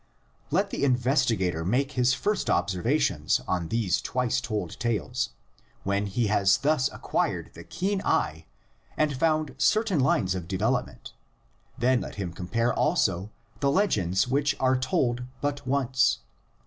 Let the investigator make his first observations on these twice told tales; when he has thus acquired the keen eye and found certain lines of develop ment, then let him compare also the legends which are told but once.